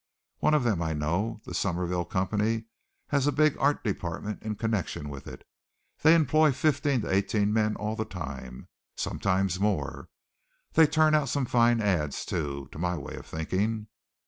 One of them I know. The Summerville Company has a big art department in connection with it. They employ fifteen to eighteen men all the time, sometimes more. They turn out some fine ads, too, to my way of thinking.